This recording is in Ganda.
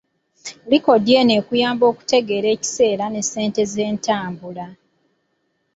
Likodi eno ekuyamba okutegeera ekiseera ne ssente z’entambula.